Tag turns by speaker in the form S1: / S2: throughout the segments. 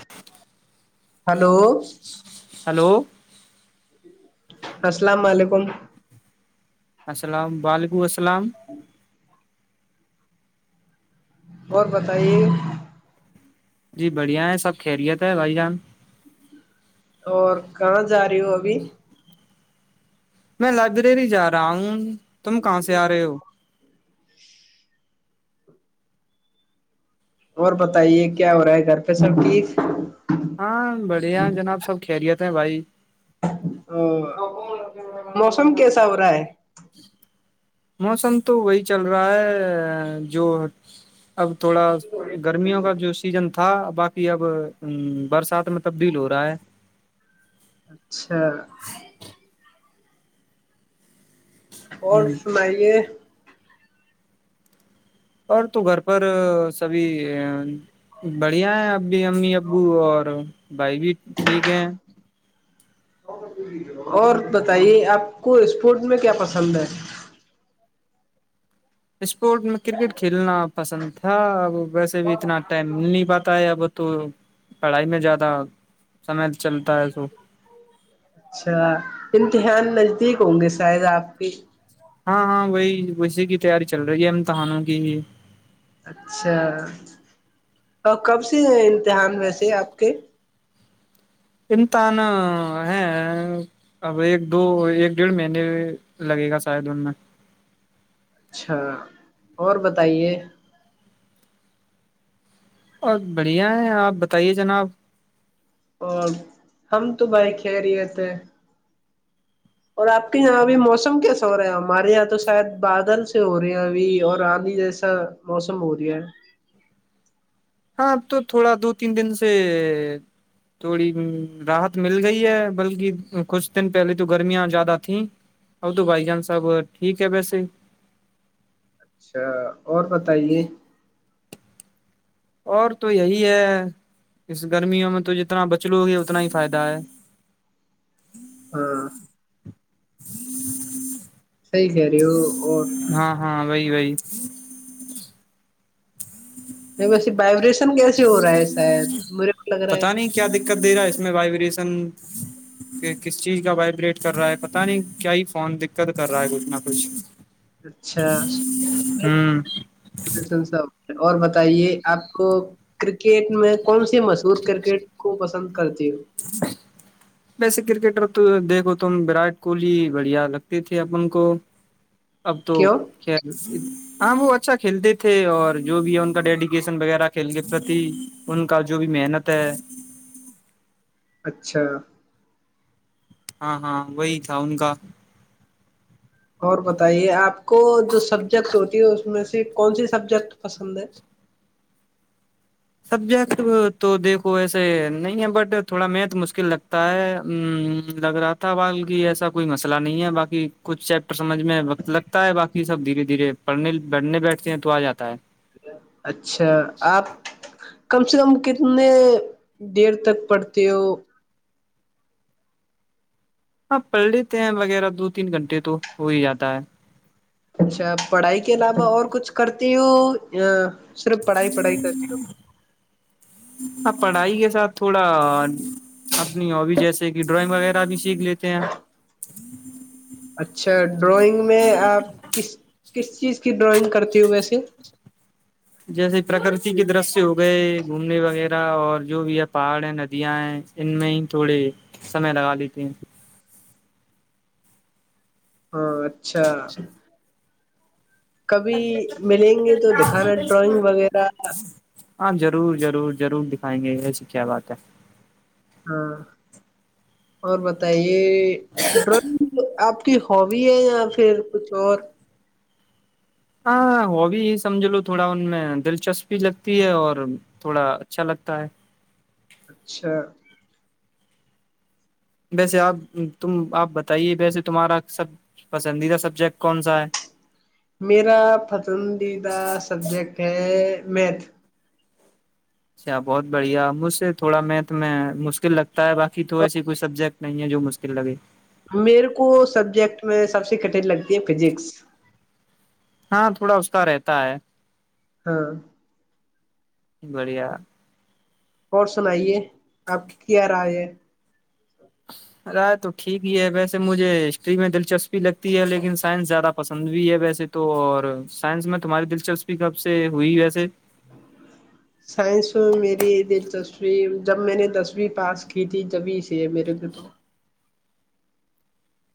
S1: [inaudible]
S2: [inaudible]
S1: السلام علیکم
S2: السلام بالگو اسلام
S1: اور بتائیے
S2: جی بڑھیا ہے سب خیریت ہے بھائی جان
S1: اور کہاں جا رہی ہو ابھی
S2: میں لائبریری جا رہا ہوں تم کہاں سے آ رہے ہو
S1: [inaudible] اور بتائیے کیا ہو رہا ہے گھر پہ سب ٹھیک
S2: ہاں بڑھیا جناب سب خیریت ہیں بھائی
S1: [inaudible]
S2: موسم تو وہی چل رہا ہے جو اب تھوڑا گرمیوں کا جو سیزن تھا باقی اب برسات میں تبدیل ہو رہا ہے
S1: اچھا اور
S2: ہ
S1: سمائیے
S2: اور تو گھر پر سبھی بڑھیا ہے اب بھی امی ابو اور بھائی بھی ٹھیک ہے
S1: اور بتائیے آپ کو اسپورٹ میں کیا پسند ہے
S2: [inaudible] اسپورٹ میں کرکٹ کھیلنا آپ پسند تھا ا ویسے بھی اتنا ٹائم نہیں پاتا ہے اب تو پڑھائی میں زیادہ سمے چلتا ہے توو
S1: اچھا امتحان نزدیک ہوں گے شاید آپ کے
S2: ہاں ہاں وہی ویسی کی تیاری چل رہی ہے امتحانوں کی
S1: اچھا اور کب سے دحان ویسے آپ کے
S2: امتحان ہے اب ایک دو ایک ڈیڑھ مہینے لگے گا شاید ان میں
S1: اچھا اور بتائیے
S2: اور بڑھیا ہے آپ بتائیے جناب
S1: اور ہم تو بھائی کہہ رہی تھے اور آپ کے یہاں ابھی موسم کیسا ہو رہا ہے ہمارے یہاں تو شاید بادل سے ہو رہے ہیں ابھی اور آندھی جیسا موسم ہو رہا ہے
S2: ہاں اب تو تھوڑا دو تین دن سے تھوڑی راحت مل گئی ہے بلکہ کچھ دن پہلے تو گرمیاں زیادہ تھیں اب تو بھائی جان صاحب ٹھیک ہے ویسے
S1: اچھا اور بتائیے
S2: اور تو یہی ہے اس گرمیوں میں تو جتنا بچ لو گے اتنا ہی فائدہ ہے
S1: ہاں
S2: [inaudible]
S1: صحی کر ہو اور
S2: ہاں ہاں وہی وہی
S1: ویسے وائبریشن کیسے ہو رہا ہے شاید مجھے کو لگ رہا ہے
S2: پتا کہ کس چیز کا وائبریٹ کر رہا ہے پتا نہیں کیا ہی فون دقت کر رہا ہے کچھ نہ کچھ
S1: اچھا
S2: ہوں
S1: ساب اور بتائیے آپ کو کرکٹ میں کون سا مشہور کرکٹ خو پسند کرتی ہ
S2: ویسے کرکٹر تو دیکھو تم وراٹ کوہلی بڑھیا لگتی تے اپن کو اب تو
S1: کیوں
S2: خ ہاں وہ اچھا کھیلتے تھے اور جو بھی ہے ان کا ڈیڈیکیشن وغیرہ کھیل کے پرتی ان کا جو بھی محنت ہے
S1: اچھا
S2: ہاں ہاں وہی تھا ان کا
S1: اور بتائیے آپ کو جو سبجیکٹ ہوتی ہے اس میں کون سے سبجیکٹ پسند ہے
S2: سبجیکٹ تو دیکھو ایسے نہیں ہے بٹ تھوڑا میتھ مشکل لگتا ہے لگ رہا تھا ب کی ایسا کوئی مسئلہ نہیں ہے باقی کچھ چیپٹر سمجھ میں وقت لگتا ہے باقی سب دھیرے دھیرے پڑھنے بیٹھنے بیٹھتے ہیں تو آ جاتا ہے
S1: اچھا آپ کم سے کم کتنے دیر تک پڑتے ہو
S2: ہاں پڑھ لیتے ہیں وغیرہ دو تین گھنٹے تو ہو ہی جاتا ہے
S1: اچھا پڑھائی کے علاوہ اور کچھ کرتی ہ ا صرف پڑھائی پڑھائی کر کے ہو
S2: ا پڑھائی کے ساتھ تھوڑا اپنی ہوبی جیسے کہ ڈرائنگ وغیرہ بھی سیکھ لیتے ہیں
S1: اچھا ڈرائنگ میں آپ کس کس چیز کی ڈرائنگ کرتی ہوں ویسے
S2: جیسے پرکرتی کے درشیہ ہو گئے گھومنے وغیرہ اور جو بھی ہے پہاڑ ہیں ندیاں ہیں ان میں ہی تھوڑے سمے لگا لیتے ہیں
S1: ہاں اچھا کبھی ملیں گے تو دکھانا ڈرائنگ وغیرہ
S2: ہاں ضرور ضرور ضرور دکھائیں گے یہ س کیا بات ہے
S1: ہاں اور بتائیے یہ ڈر آپ ہووی ہے یا پھر کچھ اور
S2: ہاں ہو بھیی ہی سمجھ لو تھوڑا ان میں دلچسپی لگتی ہے اور تھوڑا اچھا لگتا ہے
S1: اچھا
S2: ویسے آپ تم آپ بتائیے ویسے تمہارا سب پسندیدہ سبجیکٹ کون سا ہے
S1: میرا پسندیدہ سبجیکٹ ہے میں
S2: اچھا بہت بڑھیا مجھ سے تھوڑا میتھ میں مشکل لگتا ہے باقی تو ایسی کوئی سبجیکٹ نہیں ہے جو مشکل لگے
S1: میرے کو سبجیکٹ میں سب سے کٹھن لگتی ہے فزکس
S2: ہاں تھوڑا اس کا رہتا ہے
S1: ہاں
S2: بڑھیا
S1: اور سنائیے آپ کی کیا رائے ہے
S2: ارائے تو ٹھیک ہی ہے ویسے مجھے ہسٹری میں دلچسپی لگتی ہے لیکن سائنس زیادہ پسند بھی ہے ویسے تو اور سائنس میں تمہاری دلچسپی کب سے ہوئی ویسے
S1: سائنس میں میری دلچسپی جب میں نے دسویں پاس کی تھی تبھی سے میرے گ تو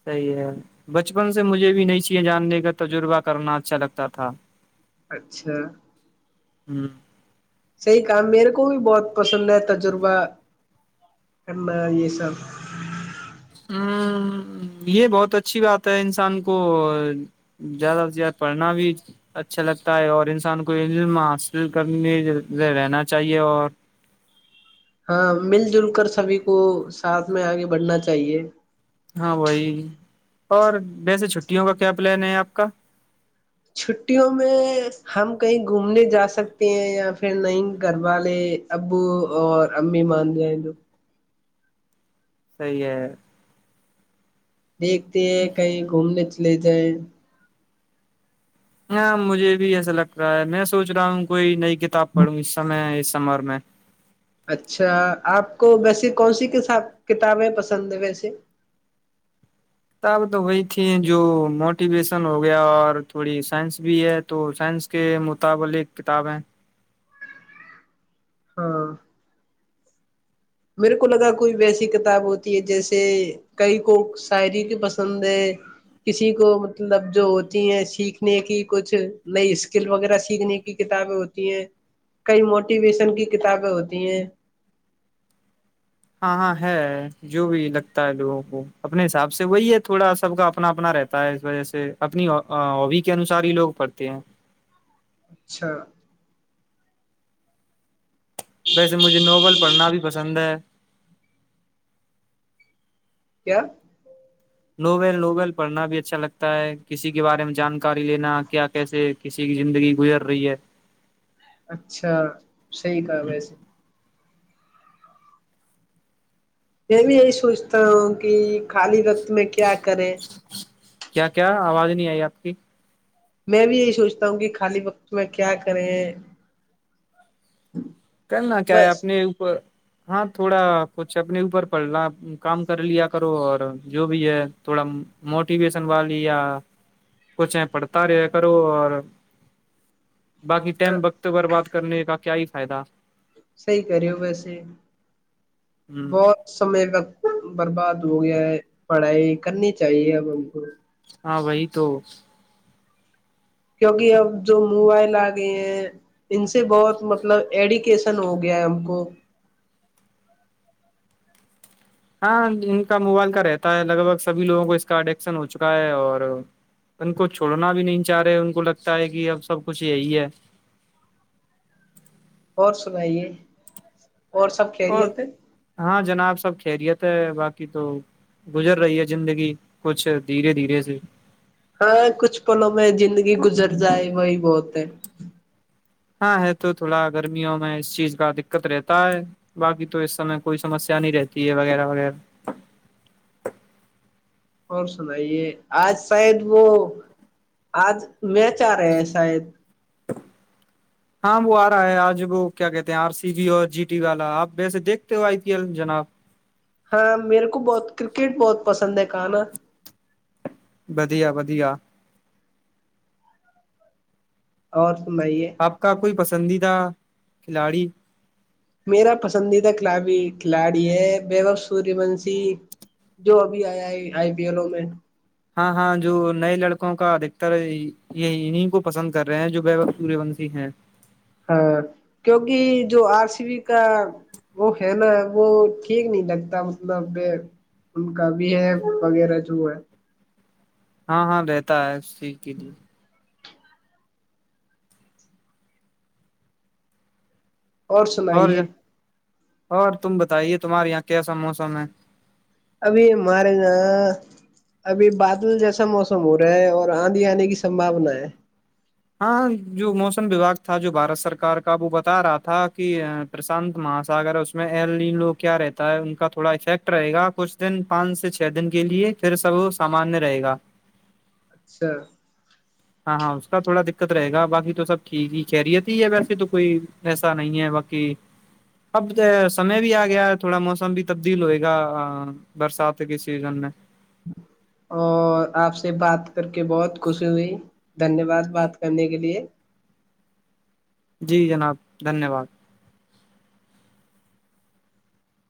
S2: صحیح ہے بچپن سے مجھے بھی نہیں چاہے جاننے کا تجربہ کرنا اچھا لگتا تھا
S1: اچھا
S2: ہم
S1: صحی کام میرے کو بھی بہت پسند ہے تجربہ کرنا یہ سب
S2: ہ یہ بہت اچھی بات ہے انسان کو زیادہ سے زیادہ پڑھنا بھی اچھا لگتا ہے اور انسان کو علم حاصل کرنے رہنا چاہیے اور
S1: ہاں مل جل کر سبھی کو ساتھ میں آگے بڑھنا چاہیے
S2: ہاں وہی اور ویسے چھٹیوں کا کیا پلان ہے آپ کا
S1: چھٹیوں میں ہم کہیں گھومنے جا سکتے ہیں یا پھر نہیں گھر والے ابو اور امی مان جائیں جو
S2: صی ہے
S1: دیکھتے ہیں کہیں گھومنے لی تھے
S2: ہاں مجھے بھی ایسا لگ رہا ہے میں سوچ رہا ہوں کوئی نئی کتاب پڑھوں اس سمے اس سمر میں
S1: اچھا آپ کو ویسے کون سی کس کتابیں پسند ہے ویسے
S2: کتابیں تو وہی تھی جو موٹیویشن ہو گیا اور تھوڑی سائنس بھی ہے تو سائنس کے متابلق کتاب ہے
S1: ہاں میرے کو لگا کوئی ویسی کتاب ہوتی ہے جیسے کئی کو شاعری کی پسند ہے کسی کو مطلب جو ہوتی ہیں سیکھنے کی کچھ نئی اسکل وغیرہ سیکھنے کی کتابیں ہوتی ہیں کئی موٹیویشن کی کتابیں ہوتی ہیں
S2: ہاں ہاں ہے جو بھی لگتا ہے لوگوں کو اپنے حساب سے وہی ہے تھوڑا سب کا اپنا اپنا رہتا ہے اس وجہ سے اپنی ہوبی کے انوسار ہی لوگ پڑھتے ہیں
S1: اچھا
S2: ویسے مجھے ناول پڑھنا بھی پسند ہے
S1: کیا
S2: ناول ناول پڑھنا بھی اچھا لگتا ہے ہے کسی کے بارے میں جان کر جکاری لینا کیا کیسے کسی کی زندگی گزر رہی ہے
S1: اچھا صحی کہا ویسے میں بھی یہی سوچتا ہوں کہ خالی وقت میں کیا کریں
S2: کیا کیا آواز نہیں آئی آپ کی
S1: میں بھی یہی سوچتا ہوں کہ خالی وقت میں کیا کریں
S2: کرنا کیا ہے
S1: بس
S2: اپنے اوپر ہاں تھوڑا کچھ اپنے اوپر پڑھنا کام کر لیا کرو اور جو بھی ہے تھوڑا موٹیویشن والی یا کچھ ہے پڑھتا رہ کرو اور باقی ٹیم
S1: ہاں
S2: بکت بربات کرنے کا کیا فائدہ
S1: صحی کرے ہو ویسے
S2: ہ
S1: بہت سمے کا برباد ہو گیا ہے پڑھائی کرنی چاہیے اب ہم کو
S2: ہاں وہی تو
S1: کیونکہ اب جو موبائل آ گئے ہیں ان سے بہت مطلب ایڈیکیشن ہو گیا ہے ہم کو
S2: ہاں ان کا موبائل کا رہتا ہے لگ بھگ سبھی لوگوں کو اس کا اڈیکشن ہو چکا ہے اور ان کو چھوڑنا بھی نہیں چاہ رہے ان کو لگتا ہے کہ اب سب کچھ یہی ہے
S1: اور سنائیے اور سب
S2: اور
S1: خیریت ہے
S2: ہاں جناب سب خیریت ہے باقی تو گزر رہی ہے زندگی کچھ دھیرے دھیرے سے
S1: ہاں کچھ پلوں میں زندگی گزر جائے وہی بہت ہے
S2: ہاں ہے تو تھوڑا گرمیوں میں اس چیز کا دقت رہتا ہے باقی تو اس سمے کوئی سمسیا نہیں رہتی ہے وغیرہ وغیرہ
S1: اور سنائیے آج شاید وہ آج میچ آ رہے ہے شاید
S2: ہاں وہ آ رہا ہے آج وہ کیا کہتے ہیں آر سی وی اور جی ٹی والا آپ ویسے دیکھتے ہو آئی پی ایل جناب
S1: ہاں میرے کو بہت کرکٹ بہت پسند ہے کہانا
S2: ودیا ودیا
S1: اور سنائیے
S2: آپ کا کوئی پسند پسندیدہ کھلاڑی
S1: میرا پسندیدہ کی کھلاڑی ہے ببو سوریہ ونش جو ابھی آیا ہے آئی پی ایلو میں
S2: ہاں ہاں جو نئے لڑکوں کا ادھکتر یہ انیں کو پسند کر رہے ہیں جو بک سوریہ ونشی ہیں
S1: ہاں کیونکہ جو آر سی بی کا وہ ہے نا وہ ٹھیک نہیں لگتا مطلب ان کا بھی ہے وغیرہ جو ہے
S2: ہاں ہاں رہتا ہے صحیح کے لیے
S1: اور سنائیے
S2: اور تم بتائیے تمہارے یہاں کیسا موسم ہے
S1: ابھی ہمارے یہاں ابھی بادل جیسا موسم ہو رہا ہے اور آندھی آنے کی سمبھاونا ہے
S2: ہاں جو موسم وباگ تھا جو بھارت سرکار کا وہ بتا رہا تھا کہ پرشانت ماساگر اس میں ای لو کیا رہتا ہے ان کا تھوڑا افیکٹ رہے گا کچھ دن پانچ سے چھ دن کے لیے پھر سب سامانیہ رہے گا
S1: اچھا
S2: ہاں ہاں اس کا تھوڑا دقت رہے گا باقی تو سب ٹھیک ہی خریت ہی ہے ویسے تو کوئی ایسا نہیں ہے باقی اب سمے بھی آ گیا ہے تھوڑا موسم بھی تبدیل ہوئے گا برسات کے سیزن میں
S1: اور آپ سے بات کر کے بہت خوشی ہوئی دھنیہ واد بات کرنے کے لیے
S2: جی جناب دھنیہ واد